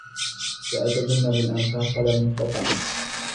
سأتجنب الأنفاق قدر المستطاع